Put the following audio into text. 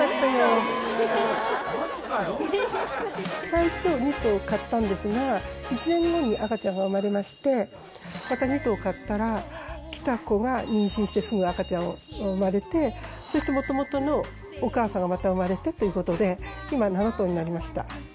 最初２頭かったんですが１年後に赤ちゃんが生まれましてまた２頭かったら来た子が妊娠してすぐ赤ちゃん生まれてそれと元々のお母さんがまた生まれてということで今７頭になりました